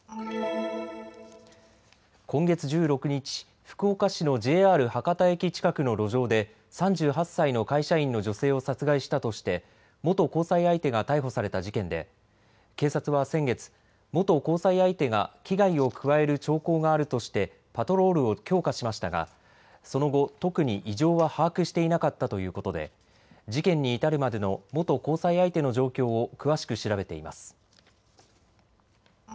今月１６日、福岡市のＪＲ博多駅近くの路上で３８歳の会社員の女性を殺害したとして元交際相手が逮捕された事件で警察は先月、元交際相手が危害を加える兆候があるとしてパトロールを強化しましたがその後特に、異常は把握していなかったということで事件に至るまでの元交際相手の状況を詳しく調べています。